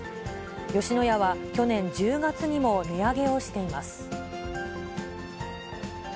吉野家は去年１０月にも値上げをしています。